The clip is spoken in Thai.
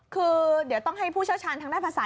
คือเดี๋ยวต้องให้ผู้เชี่ยวชาญทางด้านภาษา